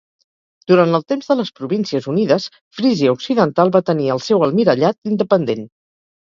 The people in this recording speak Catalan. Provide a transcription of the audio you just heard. Durant el temps de les Províncies Unides, Frísia Occidental va tenir el seu Almirallat independent.